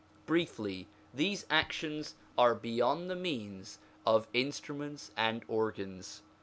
Briefly, these actions are beyond the means of instruments and organs.